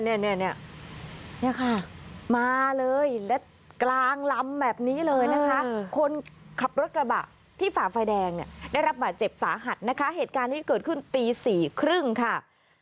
เนี่ยค่ะมาเลยและกลางลำแบบนี้เลยนะคะคนขับรถกระบะที่ฝ่าไฟแดงเนี่ยได้รับบาดเจ็บสาหัสนะคะเหตุการณ์นี้เกิดขึ้นตี๔๓๐ค่ะ